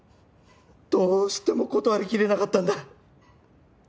どうしても断りきれなかったんだ。